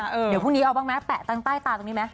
เดี๋ยวพรุ่งนี้เอาบ้างไหมแปะตั้งใต้ตาตรงนี้ไหม